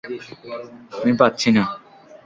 আমি পাচ্ছি না।